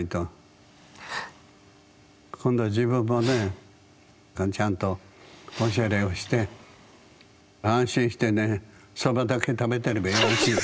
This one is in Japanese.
今度は自分もねちゃんとおしゃれをして安心してねそばだけ食べていればよろしい。